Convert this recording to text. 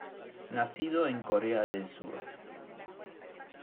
Nacido en Corea del Sur.